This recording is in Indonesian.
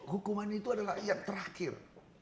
hukuman itu adalah yang terakhir